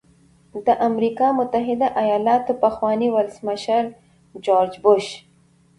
د امریکا متحده ایالاتو پخواني ولسمشر جورج بوش.